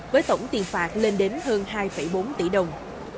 với tổng tiền phạt lên đến hơn hai bốn tỷ đồng